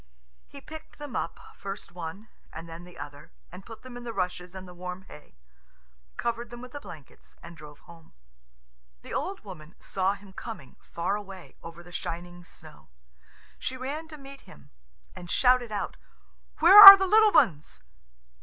He picked them up, first one and then the other, and put them in the rushes and the warm hay, covered them with the blankets, and drove home. The old woman saw him coming, far away, over the shining snow. She ran to meet him, and shouted out, "Where are the little ones?"